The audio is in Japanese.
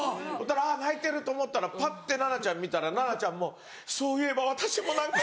あぁ泣いてる！と思ったらぱって奈々ちゃん見たら奈々ちゃんも「そういえば私も涙が」。